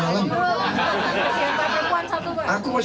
satu kaki demokrat di fipres satu di pilek